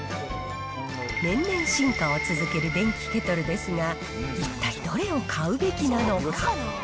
年々進化を続ける電気ケトルですが、一体どれを買うべきなのか。